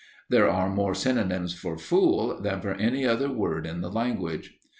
There are more synonyms for "fool" than for any other word in the language!